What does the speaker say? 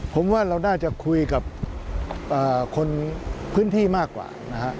ผมว่าเราน่าจะคุยกับคนพื้นที่มากกว่านะฮะ